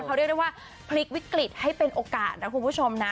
เขาเรียกได้ว่าพลิกวิกฤตให้เป็นโอกาสนะคุณผู้ชมนะ